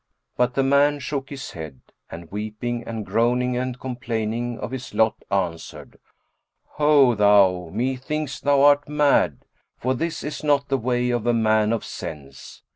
But the man shook his head, and weeping and groaning and complaining of his lot answered, "Ho thou! methinks thou art mad; for this is not the way of a man of sense.